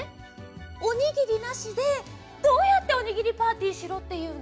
おにぎりなしでどうやっておにぎりパーティーしろっていうの？